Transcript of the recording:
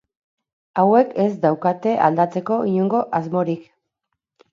Hauek ez daukate aldatzeko inongo asmorik.